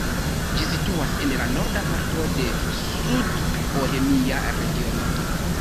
Ĝi situas en la norda parto de Sudbohemia regiono.